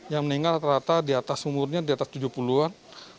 yang meninggal rata rata di atas umurnya di atas tujuh puluh an